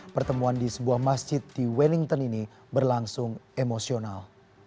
pertemuan di sebuah masjid di wellington ini berlangsung emosional